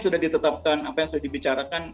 sudah ditetapkan apa yang sudah dibicarakan